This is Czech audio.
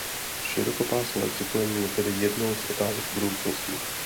Širokopásmové připojení je tedy jednou z otázek budoucnosti.